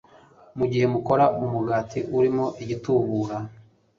Mu gihe mukora umugati urimo igitubura